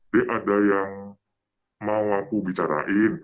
dia ada yang mau aku bicarain